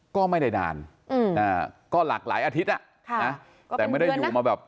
ก็ไม่ได้นานอืมอ่าก็หลากหลายอาทิตย์อ่ะค่ะนะแต่ไม่ได้อยู่มาแบบ